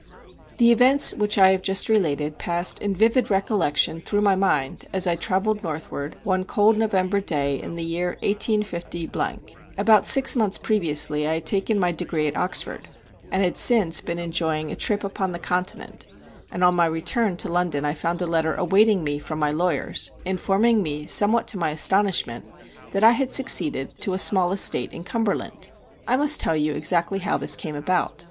The events which I have just related passed in vivid recollection through my mind as I travelled northward one cold November day in the year 185—. About six months previously I had taken my degree at Oxford, and had since been enjoying a trip upon the continent; and on my return to London I found a letter awaiting me from my lawyers, informing me somewhat to my astonishment, that I had succeeded to a small estate in Cumberland. I must tell you exactly how this came about.